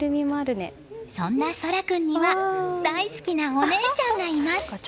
そんな空君には大好きなお姉ちゃんがいます。